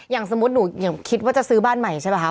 อย่างสมมุติหนูอย่างคิดว่าจะซื้อบ้านใหม่ใช่ป่ะคะ